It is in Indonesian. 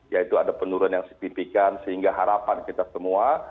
yaitu ada penurunan yang signifikan sehingga harapan kita semua